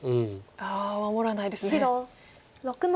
ああ守らないですね。